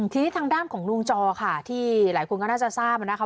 ทีนี้ทางด้านของลุงจอค่ะที่หลายคนก็น่าจะทราบนะคะ